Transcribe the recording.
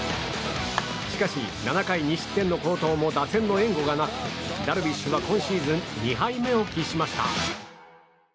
しかし、７回２失点の好投も打線の援護がなくダルビッシュは今シーズン２敗目を喫しました。